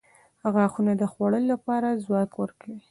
• غاښونه د خوړلو لپاره ځواک ورکوي.